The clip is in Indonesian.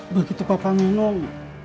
begitu papa minum